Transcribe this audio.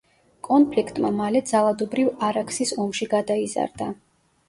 კონფლიქტმა მალე ძალადობრივ არაქსის ომში გადაიზარდა.